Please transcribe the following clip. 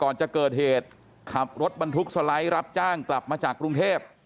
ก่อนจะเกิดเหตุขับรถบรรทุกสไลด์รับจ้างกลับมาจากกรุงเทพ